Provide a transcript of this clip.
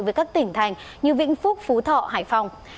với các tỉnh thành như vĩnh phúc phú thọ hải phòng